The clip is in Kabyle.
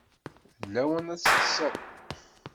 D lawan ad teṭṭseḍ.